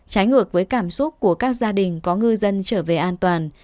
trái ngược với cảm xúc của các gia đình có ngư dân trở về an toàn